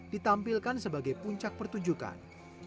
ditampilkan sebagai puncak pertunjukan